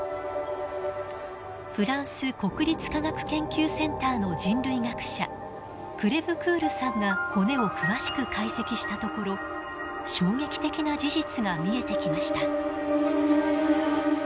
フランス国立科学研究センターの人類学者クレヴクールさんが骨を詳しく解析したところ衝撃的な事実が見えてきました。